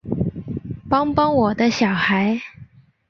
帮帮我的小孩